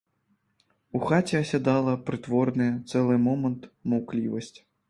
У хаце асядала прытворная, цэлы момант, маўклівасць.